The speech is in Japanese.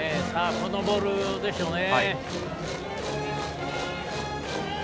このボールでしょうね。